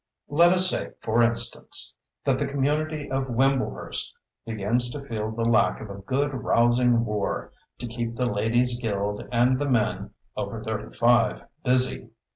Let us say, for instance, that the community of Wimblehurst begins to feel the lack of a good, rousing war to keep the Ladies' Guild and the men over thirty five busy.